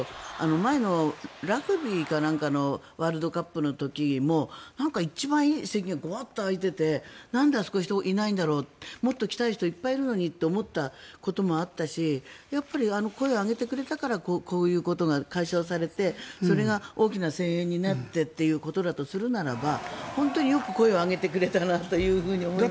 前のラグビーかなんかのワールドカップの時もなんか一番いい席がドバッと空いていてなんであそこ、人いないんだろうもっと来たい人いっぱいいるのにと思ったこともあったし、声を上げてくれたからこういうことが解消されてそれが大きな声援になってということだとするならば本当によく声を上げてくれたなと思いますよ。